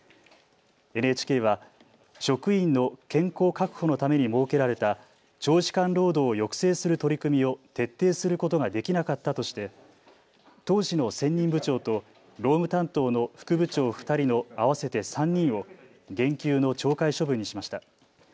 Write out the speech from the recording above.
ＮＨＫは職員の健康確保のために設けられた長時間労働を抑制する取り組みを徹底することができなかったとして当時の専任部長と労務担当の副部長２人の合わせて３人を減給の懲戒処分にしました。